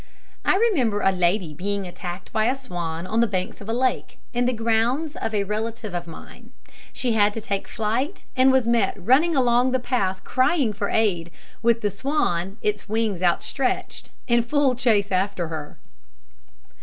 I remember a lady being attacked by a swan on the banks of a lake, in the grounds of a relative of mine. She had to take to flight, and was met running along the path crying for aid, with the swan, its wings outstretched, in full chase after her.